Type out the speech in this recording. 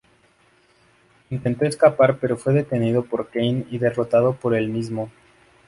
Intento escapar pero fue detenido por Kane y derrotado por el mismo.